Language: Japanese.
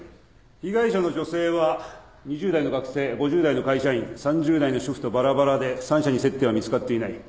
被害者の女性は２０代の学生５０代の会社員３０代の主婦とバラバラで三者に接点は見つかっていない。